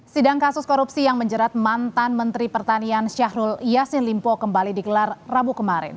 sidang kasus korupsi yang menjerat mantan menteri pertanian syahrul yassin limpo kembali digelar rabu kemarin